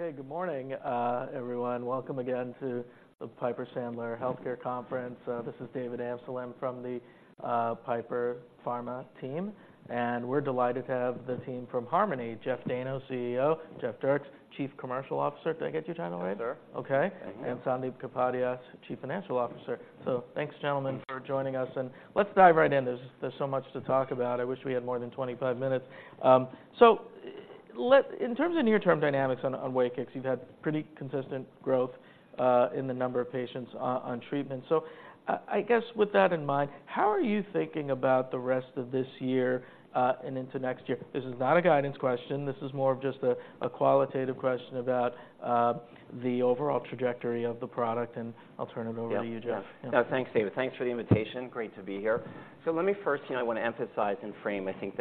Okay, good morning, everyone. Welcome again to the Piper Sandler Healthcare Conference. This is David Amsellem from the Piper Pharma team, and we're delighted to have the team from Harmony: Jeff Dayno, CEO, Jeff Dierks, Chief Commercial Officer. Did I get your title right? Yes, sir. Okay. Thank you. Sandip Kapadia, Chief Financial Officer. So thanks, gentlemen, for joining us, and let's dive right in. There's, there's so much to talk about. I wish we had more than 25 minutes. So in terms of near-term dynamics on, on WAKIX, you've had pretty consistent growth, in the number of patients on, on treatment. So I, I guess, with that in mind, how are you thinking about the rest of this year, and into next year? This is not a guidance question. This is more of just a, a qualitative question about, the overall trajectory of the product, and I'll turn it over to you, Jeff. Yeah. Yeah. Thanks, David. Thanks for the invitation. Great to be here. So let me first, you know, I want to emphasize and frame, I think,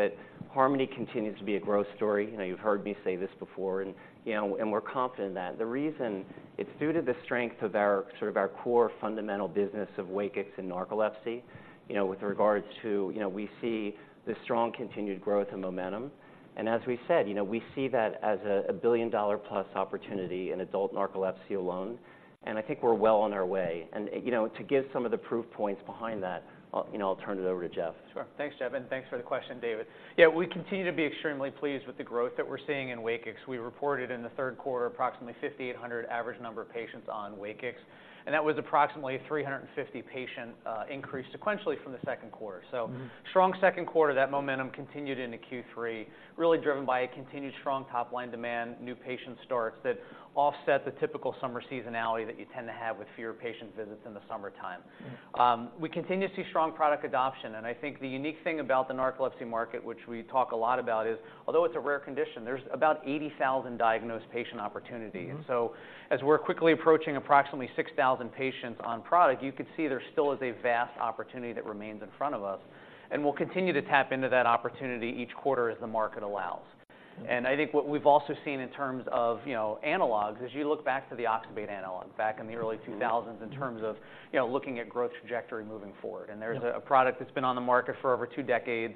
that Harmony continues to be a growth story. You know, you've heard me say this before, and, you know, and we're confident in that. The reason, it's due to the strength of our, sort of our core fundamental business of WAKIX and narcolepsy. You know, with regard to you know, we see the strong continued growth and momentum, and as we said, you know, we see that as a, a billion-dollar-plus opportunity in adult narcolepsy alone, and I think we're well on our way. And, you know, to give some of the proof points behind that, I'll, you know, I'll turn it over to Jeff. Sure. Thanks, Jeff, and thanks for the question, David. Yeah, we continue to be extremely pleased with the growth that we're seeing in WAKIX. We reported in the third quarter approximately 5,800 average number of patients on WAKIX, and that was approximately 350 patient increase sequentially from the second quarter. Mm-hmm. So, strong second quarter, that momentum continued into Q3, really driven by a continued strong top-line demand, new patient starts that offset the typical summer seasonality that you tend to have with fewer patient visits in the summertime. Mm-hmm. We continue to see strong product adoption, and I think the unique thing about the narcolepsy market, which we talk a lot about, is although it's a rare condition, there's about 80,000 diagnosed patient opportunity. Mm-hmm. And so as we're quickly approaching approximately 6,000 patients on product, you could see there still is a vast opportunity that remains in front of us, and we'll continue to tap into that opportunity each quarter as the market allows. Mm-hmm. I think what we've also seen in terms of, you know, analogs, as you look back to the oxybate analog back in the early 2000s. Mm-hmm, mm-hmm in terms of, you know, looking at growth trajectory moving forward. Yeah. There's a product that's been on the market for over two decades.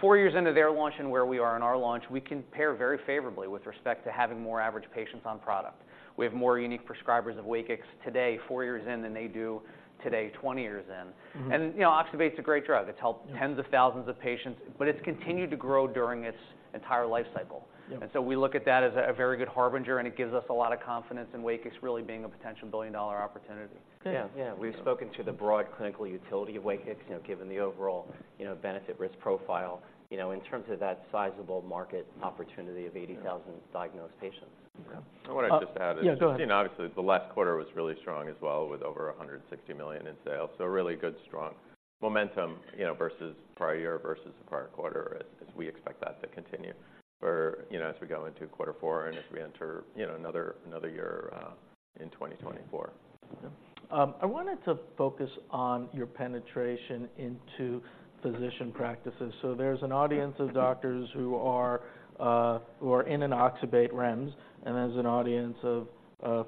Four years into their launch and where we are in our launch, we compare very favorably with respect to having more average patients on product. We have more unique prescribers of WAKIX today, four years in, than they do today, 20 years in. Mm-hmm. You know, oxybate's a great drug. Yeah. It's helped tens of thousands of patients, but it's continued to grow during its entire life cycle. Yeah. So we look at that as a very good harbinger, and it gives us a lot of confidence in WAKIX really being a potential billion-dollar opportunity. Good. Yeah, yeah. We've spoken to the broad clinical utility of WAKIX, you know, given the overall, you know, benefit-risk profile, you know, in terms of that sizable market opportunity of 80,000 diagnosed patients. Yeah. I want to just add- Yeah, go ahead. You know, obviously, the last quarter was really strong as well, with over $160 million in sales. So a really good, strong momentum, you know, versus prior year, versus the prior quarter, as, as we expect that to continue for you know, as we go into quarter four and as we enter, you know, another, another year, in 2024. I wanted to focus on your penetration into physician practices. So there's an audience of doctors who are in an Oxybate REMS, and there's an audience of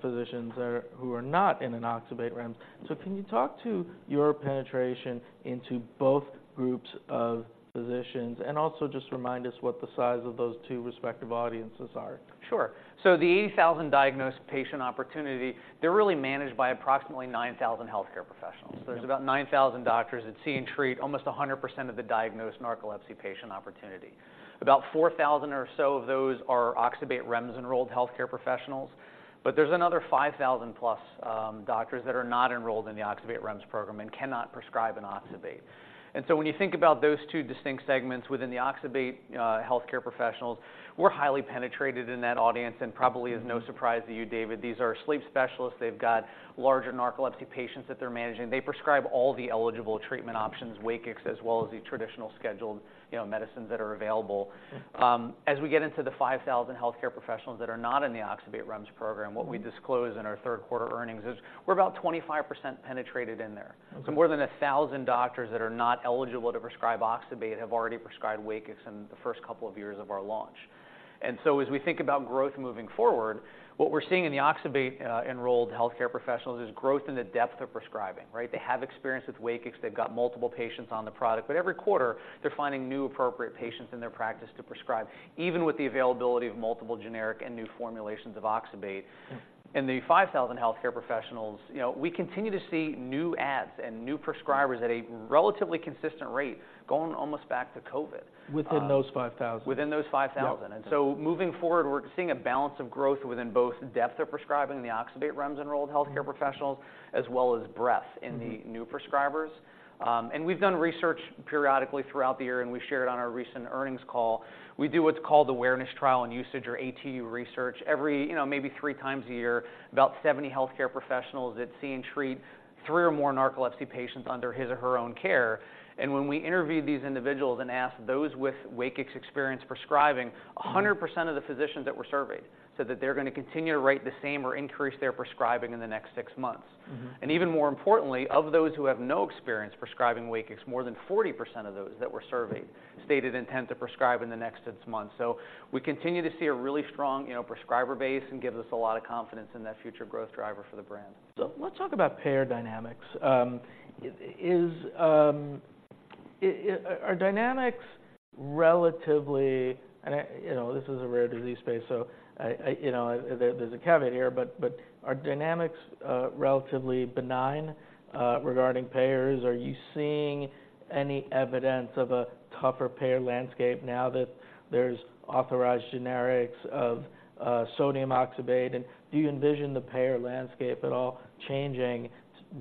physicians who are not in an Oxybate REMS. So can you talk to your penetration into both groups of physicians, and also just remind us what the size of those two respective audiences are? Sure. So the 80,000 diagnosed patient opportunity, they're really managed by approximately 9,000 healthcare professionals. Mm-hmm. There's about 9,000 doctors that see and treat almost 100% of the diagnosed narcolepsy patient opportunity. About 4,000 or so of those are Oxybate REMS-enrolled healthcare professionals, but there's another 5,000+ doctors that are not enrolled in the Oxybate REMS program and cannot prescribe an oxybate. And so when you think about those two distinct segments within the oxybate, healthcare professionals, we're highly penetrated in that audience, and probably is no surprise to you, David. These are sleep specialists. They've got larger narcolepsy patients that they're managing. They prescribe all the eligible treatment options, WAKIX, as well as the traditional scheduled, you know, medicines that are available. Mm-hmm. As we get into the 5,000 healthcare professionals that are not in the Oxybate REMS program, what we disclose in our third quarter earnings is we're about 25% penetrated in there. Okay. So more than 1,000 doctors that are not eligible to prescribe oxybate have already prescribed WAKIX in the first couple of years of our launch. And so as we think about growth moving forward, what we're seeing in the oxybate enrolled healthcare professionals is growth in the depth of prescribing, right? They have experience with WAKIX. They've got multiple patients on the product, but every quarter, they're finding new appropriate patients in their practice to prescribe, even with the availability of multiple generic and new formulations of oxybate. Mm. In the 5,000 healthcare professionals, you know, we continue to see new ads and new prescribers at a relatively consistent rate, going almost back to COVID. Within those 5,000? Within those 5,000. Yeah. Moving forward, we're seeing a balance of growth within both depth of prescribing in the Oxybate REMS-enrolled healthcare professionals, as well as breadth- Mm-hmm in the new prescribers. We've done research periodically throughout the year, and we've shared on our recent earnings call. We do what's called awareness, trial, and usage, or ATU research, every, you know, maybe 3 times a year, about 70 healthcare professionals that see and treat 3 or more narcolepsy patients under his or her own care. When we interviewed these individuals and asked those with WAKIX experience prescribing, 100% of the physicians that were surveyed said that they're going to continue to write the same or increase their prescribing in the next six months. Mm-hmm. Even more importantly, of those who have no experience prescribing WAKIX, more than 40% of those that were surveyed stated intent to prescribe in the next six months. We continue to see a really strong, you know, prescriber base, and gives us a lot of confidence in that future growth driver for the brand. Let's talk about payer dynamics. You know, this is a rare disease space, so there's a caveat here, but are dynamics relatively benign regarding payers? Are you seeing any evidence of a tougher payer landscape now that there's authorized generics of sodium oxybate? And do you envision the payer landscape at all changing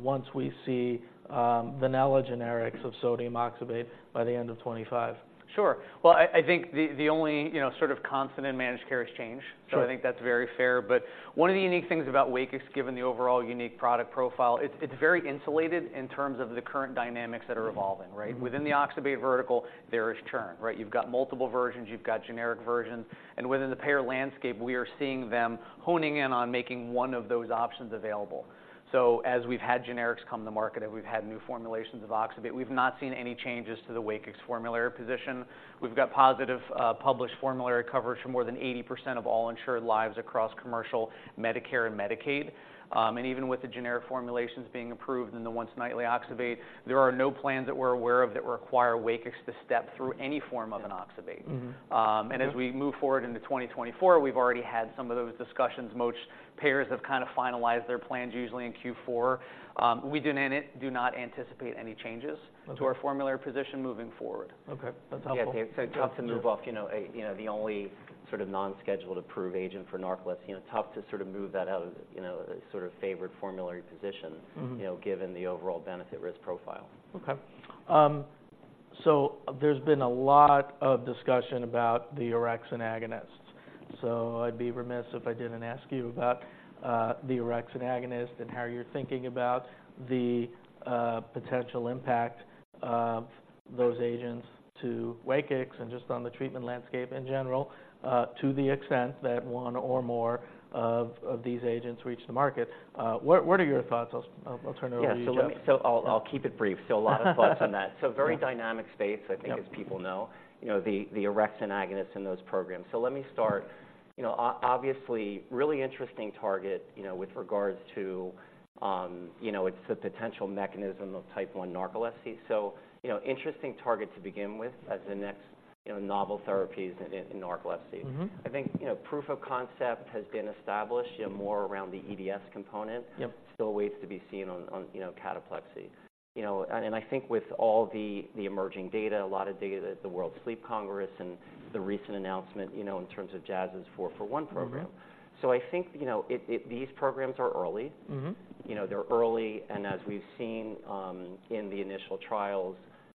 once we see vanilla generics of sodium oxybate by the end of 2025? Sure. Well, I think the only, you know, sort of constant in managed care is change. Sure. I think that's very fair. But one of the unique things about WAKIX, given the overall unique product profile, it's, it's very insulated in terms of the current dynamics that are evolving, right? Mm-hmm. Within the oxybate vertical, there is churn, right? You've got multiple versions, you've got generic versions, and within the payer landscape, we are seeing them honing in on making one of those options available. So as we've had generics come to market, and we've had new formulations of oxybate, we've not seen any changes to the WAKIX formulary position. We've got positive, published formulary coverage for more than 80% of all insured lives across commercial Medicare and Medicaid. And even with the generic formulations being approved in the once-nightly oxybate, there are no plans that we're aware of that require WAKIX to step through any form of an oxybate. Mm-hmm. As we move forward into 2024, we've already had some of those discussions. Most payers have kind of finalized their plans, usually in Q4. We do not anticipate any changes- Okay to our formulary position moving forward. Okay. That's helpful. Yeah, Dave, so tough to move off, you know, a, you know, the only sort of non-scheduled approved agent for narcolepsy. You know, tough to sort of move that out of, you know, a sort of favored formulary position. Mm-hmm you know, given the overall benefit-risk profile. Okay. So there's been a lot of discussion about the Orexin Agonist, so I'd be remiss if I didn't ask you about the Orexin Agonist and how you're thinking about the potential impact of those agents to WAKIX and just on the treatment landscape in general, to the extent that one or more of these agents reach the market. What are your thoughts? I'll turn it over to you, Jeff. Yeah. So I'll, I'll keep it brief. So a lot of thoughts on that. Yeah. Very dynamic space- Yep I think, as people know, you know, the orexin agonist in those programs. So let me start. You know, obviously, really interesting target, you know, with regards to, you know, it's the potential mechanism of type 1 narcolepsy. So, you know, interesting target to begin with as the next, you know, novel therapies in narcolepsy. Mm-hmm. I think, you know, proof of concept has been established, you know, more around the EDS component- Yep still awaits to be seen on, you know, cataplexy. You know, and I think with all the emerging data, a lot of data that the World Sleep Congress and the recent announcement, you know, in terms of Jazz's four-for-one program. Mm-hmm. I think, you know, these programs are early. Mm-hmm. You know, they're early, and as we've seen, in the initial trials,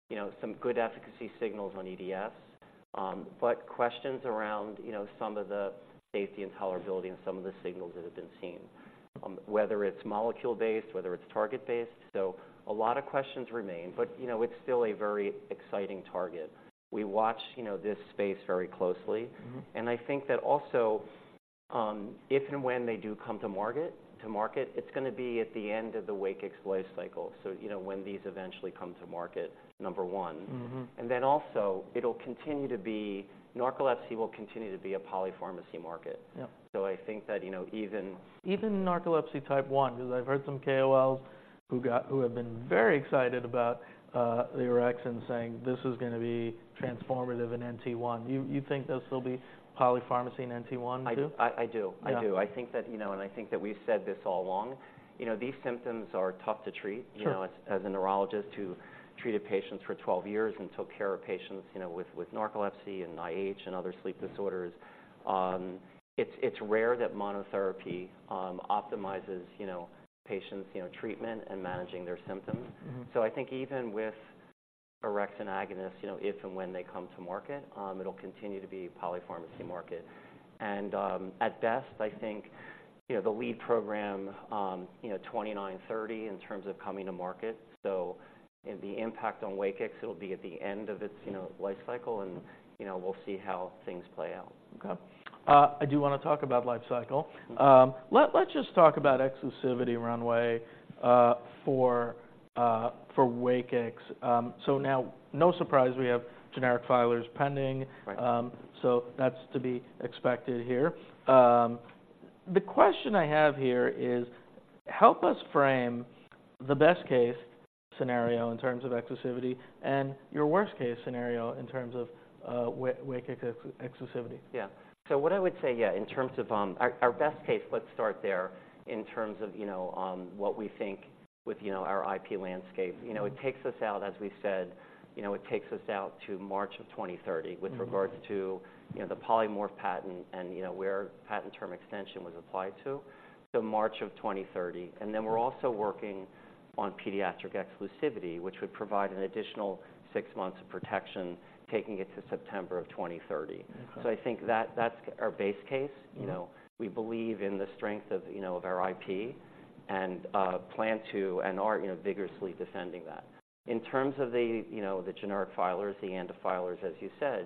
you know, some good efficacy signals on EDS, but questions around, you know, some of the safety and tolerability and some of the signals that have been seen, whether it's molecule-based, whether it's target-based. So a lot of questions remain, but, you know, it's still a very exciting target. We watch, you know, this space very closely. Mm-hmm. I think that also, if and when they do come to market, it's gonna be at the end of the WAKIX life cycle, so, you know, when these eventually come to market, number one. Mm-hmm. And then also, it'll continue to be—narcolepsy will continue to be a polypharmacy market. Yep. So I think that, you know, even- Even Narcolepsy Type 1, because I've heard some KOLs who have been very excited about the orexin, saying, "This is gonna be transformative in NT1." You think this will be polypharmacy in NT1 too? I do. I do. Yeah. I do. I think that, you know, and I think that we've said this all along, you know, these symptoms are tough to treat. Sure. You know, as a neurologist who treated patients for 12 years and took care of patients, you know, with narcolepsy and IH and other sleep disorders, it's rare that monotherapy optimizes, you know, patients, you know, treatment and managing their symptoms. Mm-hmm. So I think even with orexin agonist, you know, if and when they come to market, it'll continue to be a polypharmacy market. And, at best, I think, you know, the lead program, you know, 2029-30 in terms of coming to market, so the impact on WAKIX, it'll be at the end of its, you know, life cycle, and, you know, we'll see how things play out. Okay. I do wanna talk about life cycle. Mm-hmm. Let's just talk about exclusivity runway for WAKIX. So now, no surprise, we have generic filers pending. Right. So that's to be expected here. The question I have here is: help us frame the best-case scenario in terms of exclusivity and your worst-case scenario in terms of WAKIX exclusivity. Yeah. So what I would say, yeah, in terms of our best case, let's start there, in terms of, you know, what we think with, you know, our IP landscape. You know, it takes us out, as we said, you know, it takes us out to March of 2030- Mm-hmm with regards to, you know, the polymorph patent and, you know, where patent term extension was applied to, so March of 2030. And then we're also working on pediatric exclusivity, which would provide an additional six months of protection, taking it to September of 2030. Okay. I think that that's our base case. Mm-hmm. You know, we believe in the strength of, you know, of our IP and plan to and are, you know, vigorously defending that. In terms of the, you know, the generic filers, the ANDA filers, as you said,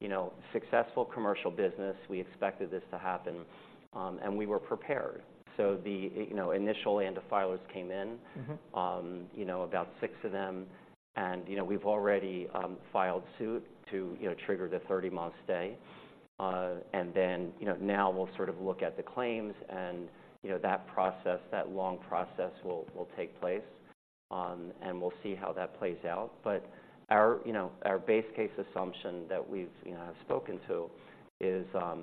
you know, successful commercial business, we expected this to happen and we were prepared. So the, you know, initial ANDA filers came in- Mm-hmm you know, about six of them, and, you know, we've already filed suit to, you know, trigger the 30-month stay. And then, you know, now we'll sort of look at the claims, and, you know, that process, that long process will take place. And we'll see how that plays out. But our, you know, our base case assumption that we've, you know, spoken to is, you know,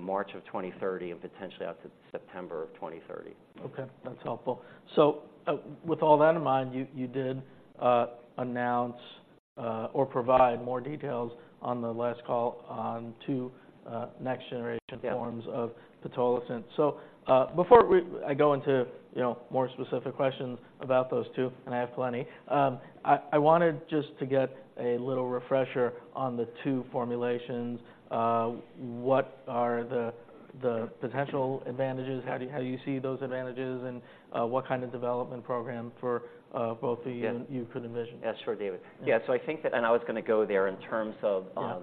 March of 2030 and potentially out to September of 2030. Okay, that's helpful. So, with all that in mind, you did announce or provide more details on the last call on two next generation- Yeah -forms of pitolisant. So, before I go into, you know, more specific questions about those two, and I have plenty, I wanted just to get a little refresher on the two formulations. What are the potential advantages? How do you see those advantages, and what kind of development program for both of you- Yeah you could envision? Yeah, sure, David. Yeah. Yeah. So I think that and I was gonna go there in terms of, Yeah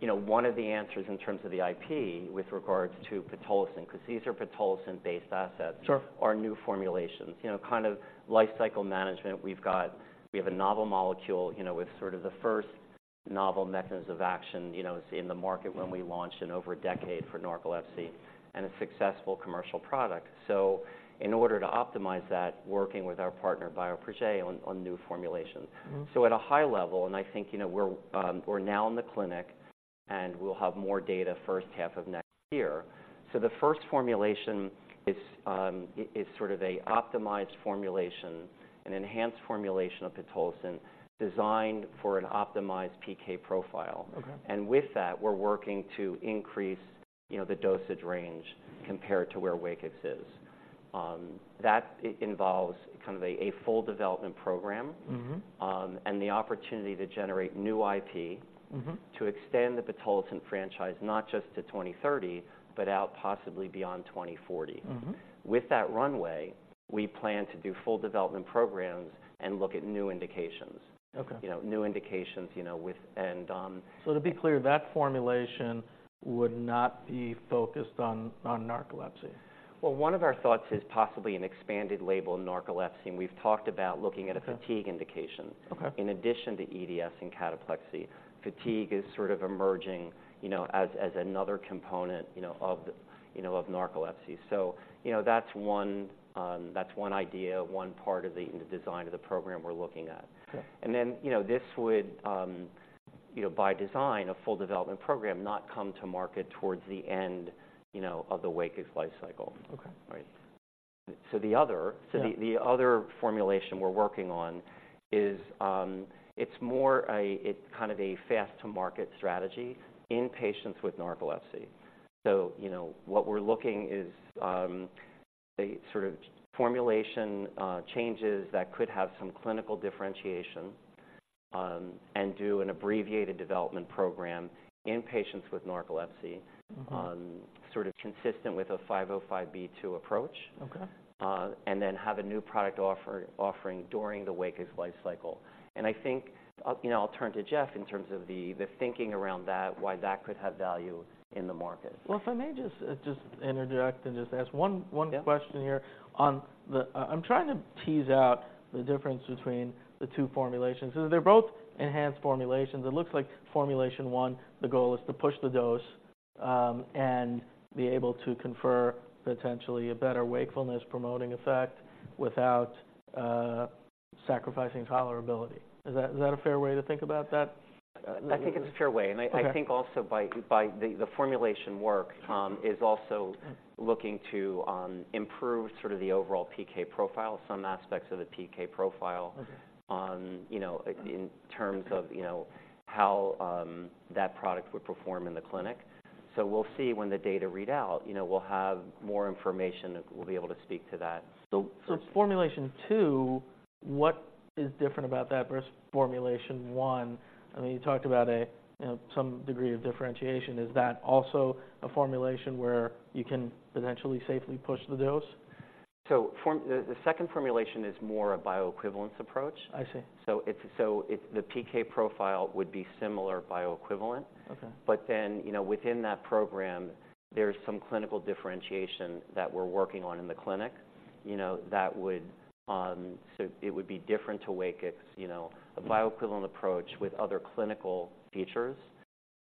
you know, one of the answers in terms of the IP with regards to pitolisant, 'cause these are pitolisant-based assets- Sure are new formulations. You know, kind of lifecycle management, we have a novel molecule, you know, with sort of the first novel mechanisms of action, you know, in the market when we launched in over a decade for narcolepsy, and a successful commercial product. So in order to optimize that, working with our partner, Bioprojet, on new formulations. Mm-hmm. So at a high level, and I think, you know, we're now in the clinic, and we'll have more data first half of next year. So the first formulation is sort of a optimized formulation, an enhanced formulation of pitolisant, designed for an optimized PK profile. Okay. With that, we're working to increase, you know, the dosage range compared to where WAKIX is. That involves kind of a full development program- Mm-hmm and the opportunity to generate new IP- Mm-hmm -to extend the pitolisant franchise, not just to 2030, but out possibly beyond 2040. Mm-hmm. With that runway, we plan to do full development programs and look at new indications. Okay. You know, new indications, you know, So to be clear, that formulation would not be focused on narcolepsy? Well, one of our thoughts is possibly an expanded label in narcolepsy, and we've talked about looking- Okay at a fatigue indication Okay In addition to EDS and cataplexy. Fatigue is sort of emerging, you know, as another component, you know, of narcolepsy. So, you know, that's one, that's one idea, one part of the design of the program we're looking at. Okay. And then, you know, this would, you know, by design, a full development program, not come to market towards the end, you know, of the WAKIX life cycle. Okay. All right. So the other- Yeah So the other formulation we're working on is. It's more of a fast-to-market strategy in patients with narcolepsy. So, you know, what we're looking is a sort of formulation changes that could have some clinical differentiation and do an abbreviated development program in patients with narcolepsy- Mm-hmm Sort of consistent with a 505(b)(2) approach. Okay. And then have a new product offering during the WAKIX life cycle. And I think, you know, I'll turn to Jeff in terms of the thinking around that, why that could have value in the market. Well, if I may just interject and just ask one— Yeah I'm trying to tease out the difference between the two formulations. So they're both enhanced formulations. It looks like formulation one, the goal is to push the dose, and be able to confer potentially a better wakefulness-promoting effect without sacrificing tolerability. Is that a fair way to think about that? I think it's a fair way. Okay. And I think also by the formulation work is also looking to improve sort of the overall PK profile, some aspects of the PK profile- Mm-hmm you know, in terms of, you know, how that product would perform in the clinic. So we'll see when the data read out, you know, we'll have more information, and we'll be able to speak to that. So, so formulation two, what is different about that versus formulation one? I mean, you talked about a, you know, some degree of differentiation. Is that also a formulation where you can potentially safely push the dose? The second formulation is more a bioequivalence approach. I see. The PK profile would be similar bioequivalent. Okay. But then, you know, within that program, there's some clinical differentiation that we're working on in the clinic, you know, that would so it would be different to WAKIX. You know, a bioequivalent approach with other clinical features,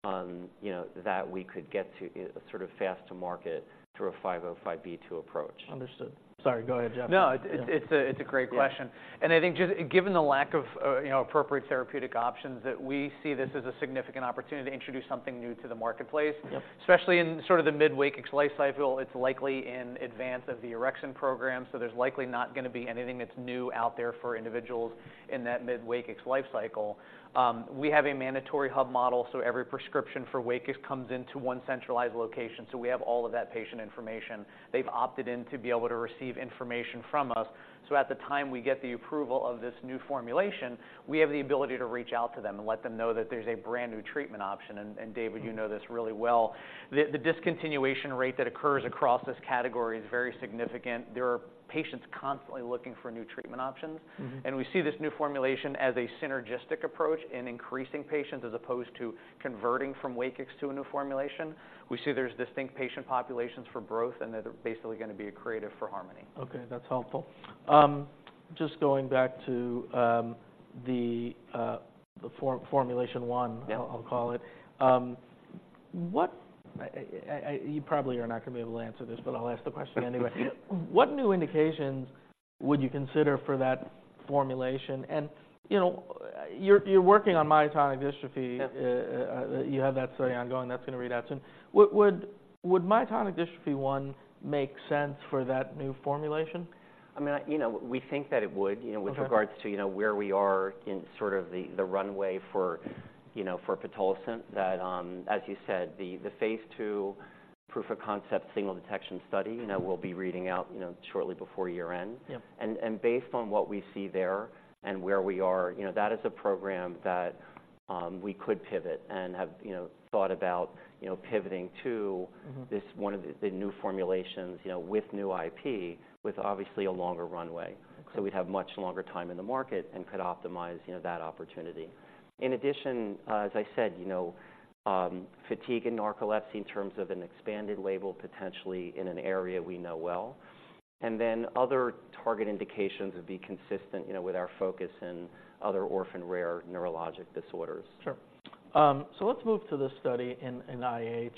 you know, that we could get to, sort of fast to market through a 505(b)(2) approach. Understood. Sorry, go ahead, Jeff. No, it's a great question. Yeah. I think just given the lack of, you know, appropriate therapeutic options, that we see this as a significant opportunity to introduce something new to the marketplace. Yep. Especially in sort of the mid-WAKIX life cycle, it's likely in advance of the Orexin program, so there's likely not gonna be anything that's new out there for individuals in that mid-WAKIX life cycle. We have a mandatory hub model, so every prescription for WAKIX comes into one centralized location, so we have all of that patient information. They've opted in to be able to receive information from us. So at the time we get the approval of this new formulation, we have the ability to reach out to them and let them know that there's a brand-new treatment option. And David, you know this really well. The discontinuation rate that occurs across this category is very significant. There are patients constantly looking for new treatment options. Mm-hmm. We see this new formulation as a synergistic approach in increasing patients as opposed to converting from WAKIX to a new formulation. We see there's distinct patient populations for growth, and they're basically gonna be accretive for Harmony. Okay, that's helpful. Just going back to the formulation one- Yeah. I'll call it. You probably are not gonna be able to answer this, but I'll ask the question anyway. What new indications would you consider for that formulation? And, you know, you're working on Myotonic Dystrophy. Yeah. You have that study ongoing. That's gonna read out soon. Would myotonic dystrophy one make sense for that new formulation? I mean, you know, we think that it would, you know- Okay. with regards to, you know, where we are in sort of the runway for, you know, for pitolisant, that, as you said, the phase 2 proof of concept signal detection study- Mm-hmm. You know, will be reading out, you know, shortly before year-end. Yeah. And based on what we see there and where we are, you know, that is a program that we could pivot and have, you know, thought about, you know, pivoting to- Mm-hmm this, one of the new formulations, you know, with new IP, with obviously a longer runway. Okay. So we'd have much longer time in the market and could optimize, you know, that opportunity. In addition, as I said, you know, fatigue and narcolepsy in terms of an expanded label, potentially in an area we know well, and then other target indications would be consistent, you know, with our focus in other orphan rare neurologic disorders. Sure. So let's move to this study in IH.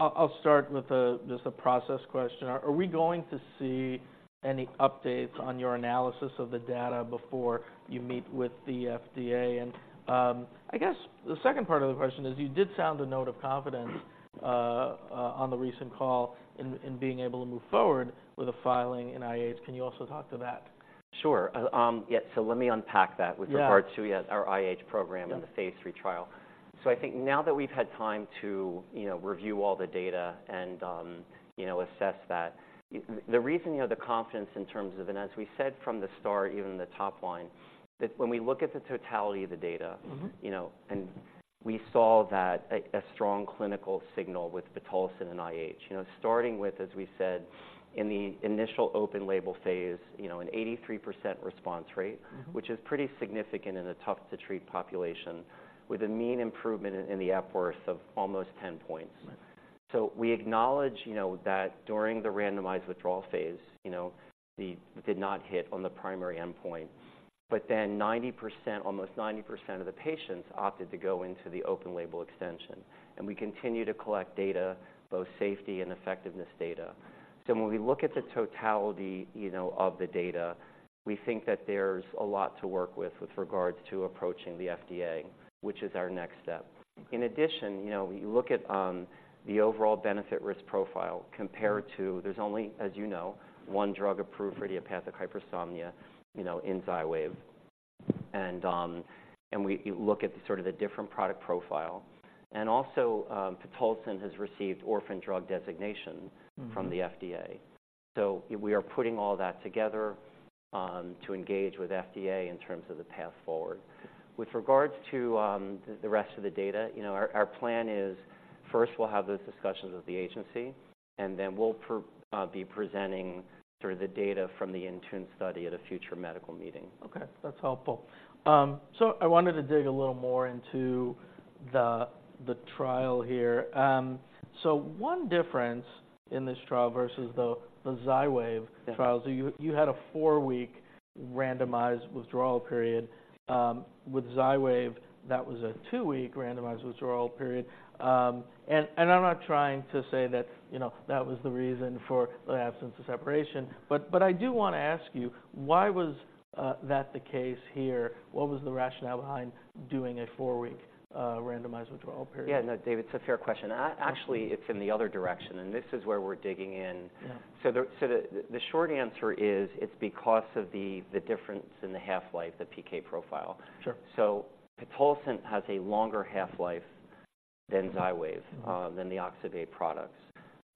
I'll start with just a process question. Are we going to see any updates on your analysis of the data before you meet with the FDA? And, I guess the second part of the question is, you did sound a note of confidence on the recent call in being able to move forward with a filing in IH. Can you also talk to that? Sure. Yeah, so let me unpack that- Yeah With regard to, yeah, our IH program- Yeah - and the phase 3 trial. So I think now that we've had time to, you know, review all the data and, you know, assess that. The reason, you know, the confidence in terms of and as we said from the start, even the top line, that when we look at the totality of the data- Mm-hmm you know, and we saw that a strong clinical signal with pitolisant and IH. You know, starting with, as we said in the initial open label phase, you know, an 83% response rate- Mm-hmm - which is pretty significant in a tough-to-treat population, with a mean improvement in the Epworth of almost 10 points. Right. So we acknowledge, you know, that during the randomized withdrawal phase, you know, we did not hit on the primary endpoint, but then 90%, almost 90% of the patients opted to go into the open-label extension, and we continue to collect data, both safety and effectiveness data. So when we look at the totality, you know, of the data, we think that there's a lot to work with, with regards to approaching the FDA, which is our next step. In addition, you know, when you look at, the overall benefit-risk profile compared to. There's only, as you know, one drug approved for idiopathic hypersomnia, you know, in XYWAV. And, and we look at the sort of the different product profile. And also, pitolisant has received orphan drug designation- Mm-hmm from the FDA. So we are putting all that together to engage with FDA in terms of the path forward. With regards to the rest of the data, you know, our plan is, first, we'll have those discussions with the agency, and then we'll be presenting sort of the data from the intern study at a future medical meeting. Okay, that's helpful. So I wanted to dig a little more into the trial here. So one difference in this trial versus the XYWAV- Yeah Trials, you had a 4-week randomized withdrawal period. With XYWAV, that was a 2-week randomized withdrawal period. And I'm not trying to say that, you know, that was the reason for the absence of separation, but I do want to ask you, why was that the case here? What was the rationale behind doing a 4-week randomized withdrawal period? Yeah. No, David, it's a fair question. Actually, it's in the other direction, and this is where we're digging in. Yeah. So the short answer is, it's because of the difference in the half-life, the PK profile. Sure. Pitolisant has a longer half-life than XYWAV- Mm-hmm than the oxybate products.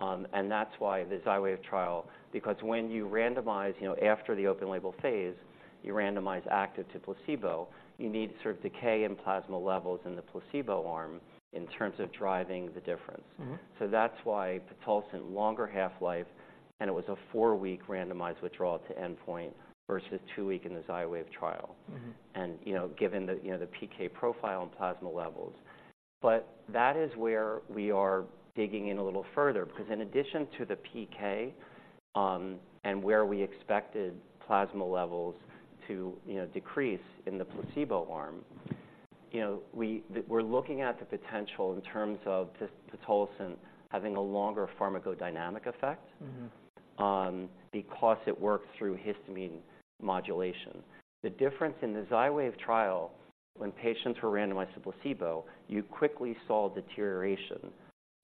That's why the XYWAV trial. Because when you randomize, you know, after the open-label phase, you randomize active to placebo, you need sort of decay in plasma levels in the placebo arm in terms of driving the difference. Mm-hmm. That's why pitolisant, longer half-life, and it was a 4-week randomized withdrawal to endpoint versus 2-week in the XYWAV trial. Mm-hmm. You know, given the, you know, the PK profile and plasma levels. That is where we are digging in a little further, because in addition to the PK, and where we expected plasma levels to, you know, decrease in the placebo arm, you know, we, we're looking at the potential in terms of pitolisant having a longer pharmacodynamic effect- Mm-hmm because it works through histamine modulation. The difference in the XYWAV trial, when patients were randomized to placebo, you quickly saw deterioration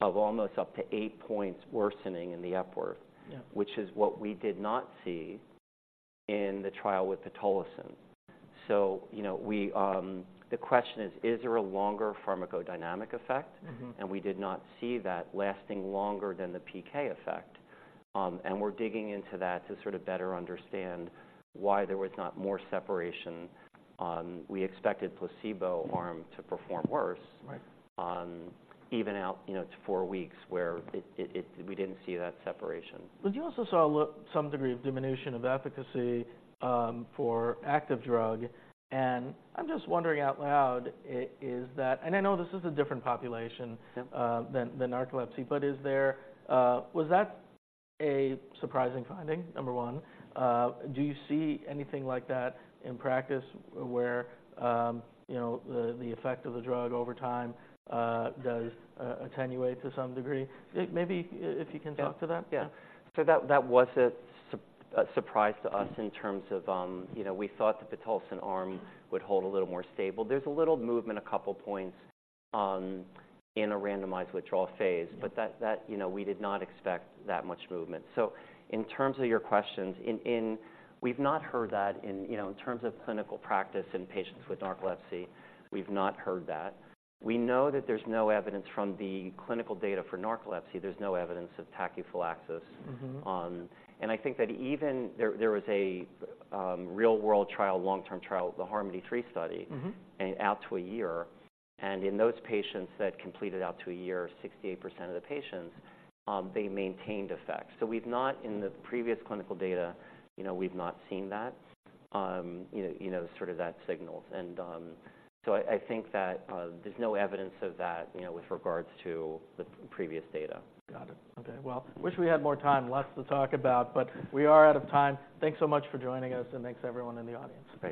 of almost up to 8 points worsening in the Epworth- Yeah - which is what we did not see in the trial with pitolisant. So, you know, we, The question is: Is there a longer pharmacodynamic effect? Mm-hmm. We did not see that lasting longer than the PK effect. We're digging into that to sort of better understand why there was not more separation. We expected placebo arm- Mm-hmm - to perform worse. Right. Even out, you know, to four weeks, where it we didn't see that separation. But you also saw a little, some degree of diminution of efficacy, for active drug, and I'm just wondering out loud, is that and I know this is a different population- Yep than narcolepsy, but is there was that a surprising finding, number one? Do you see anything like that in practice where, you know, the effect of the drug over time does attenuate to some degree? Maybe if you can talk to that. Yeah. So that, that was a surprise to us in terms of, you know, we thought the pitolisant arm would hold a little more stable. There's a little movement, a couple points, in a randomized withdrawal phase. Mm-hmm. But that, you know, we did not expect that much movement. So in terms of your questions, we've not heard that in, you know, in terms of clinical practice in patients with narcolepsy, we've not heard that. We know that there's no evidence from the clinical data for narcolepsy, there's no evidence of tachyphylaxis. Mm-hmm. I think that even there, there was a real-world trial, long-term trial, the Harmony Tree study- Mm-hmm And out to a year, and in those patients that completed out to a year, 68% of the patients, they maintained effect. So we've not, in the previous clinical data, you know, we've not seen that, you know, you know, sort of that signal. And so I think that there's no evidence of that, you know, with regards to the previous data. Got it. Okay. Well, wish we had more time, lots to talk about, but we are out of time. Thanks so much for joining us, and thanks everyone in the audience. Great.